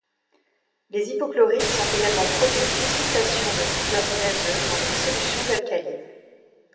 Les hypochlorites sont également produites dismutation de dichlore gazeux dans des solutions alcalines.